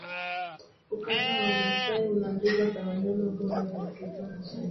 ukanda wa wamaasai una mbuga za wanyama bora za afrika mashariki